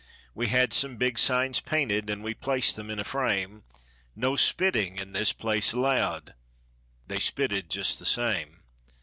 We had some big signs painted, and we placed them in a frame— "No spitting in this place allowed"—they spitted just the same.